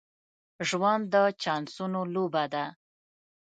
ژوند د چانسونو لوبه ده.